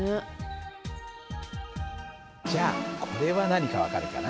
じゃあこれは何か分かるかな？